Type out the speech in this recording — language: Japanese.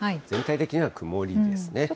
全体的には曇りですね。